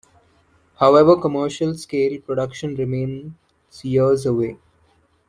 However, commercial-scale production remains years away.